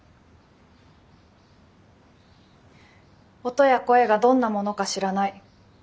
音や声がどんなものか知らない。